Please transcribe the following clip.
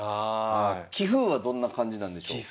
棋風はどんな感じなんでしょう？